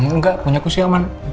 enggak punya ku si aman